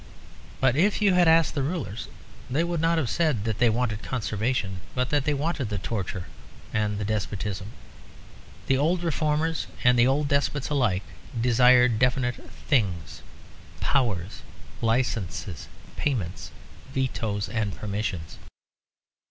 But if you had asked the rulers they would not have said that they wanted conservation; but that they wanted the torture and the despotism. The old reformers and the old despots alike desired definite things, powers, licenses, payments, vetoes, and permissions.